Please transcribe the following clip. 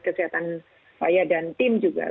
kesehatan saya dan tim juga